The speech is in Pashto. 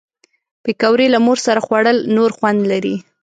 پکورې له مور سره خوړل نور خوند لري